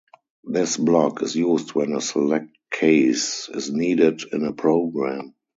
This block is used when a select case is needed in a program.